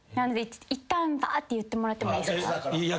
いったんばーって言ってもらってもいいですか？